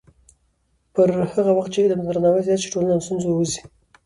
پر هغه وخت چې علم ته درناوی زیات شي، ټولنه له ستونزو راووځي.